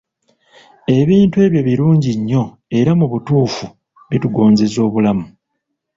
Ebintu ebyo birungi nnyo era mu butuufu bitugonzeza obulamu.